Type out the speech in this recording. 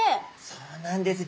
そうなんです。